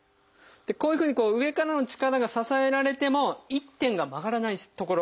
こういうふうにこう上からの力が支えられても一点が曲がらない所